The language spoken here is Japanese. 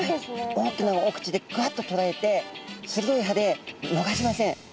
大きなお口でグワッととらえて鋭い歯で逃しません。